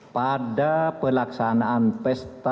pada pelaksanaan pes